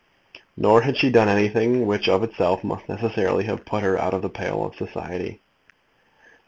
Nor had she done anything which of itself must necessarily have put her out of the pale of society.